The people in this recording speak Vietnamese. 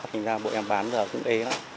thành ra bộ em bán giờ cũng ế